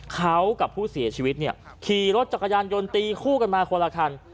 เขากับผู้เสียชีวิตเนี่ยขี่รถจักรยานยนต์ตีคู่กันมาคนละคัน